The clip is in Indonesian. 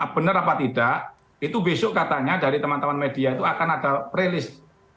benar apa tidak itu besok katanya dari teman teman media itu akan ada rilis